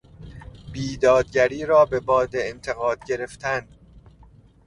بیدادگری را به باد انتقاد گرفتن